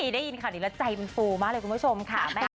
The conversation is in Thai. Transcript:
ได้ยินค่ะใจมันฟูมากเลยคุณผู้ชมค่ะ